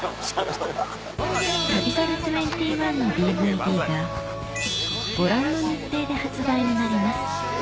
『旅猿２１』のＤＶＤがご覧の日程で発売になります